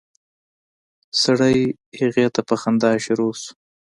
سړی هغې ته په خندا شروع شو.